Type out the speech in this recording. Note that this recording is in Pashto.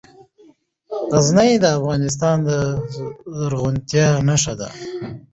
غزني د افغانستان د زرغونتیا نښه ده.